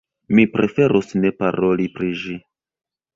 Mi preferus ne paroli pri ĝi.